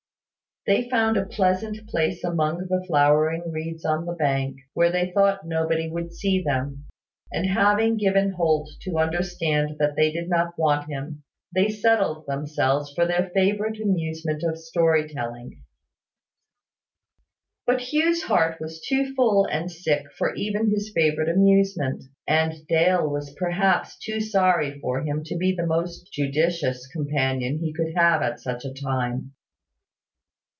They found a pleasant place among the flowering reeds on the bank, where they thought nobody would see them; and having given Holt to understand that they did not want him, they settled themselves for their favourite amusement of story telling. But Hugh's heart was too full and too sick for even his favourite amusement; and Dale was perhaps too sorry for him to be the most judicious companion he could have at such a time.